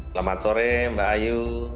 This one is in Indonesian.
selamat sore mbak ayu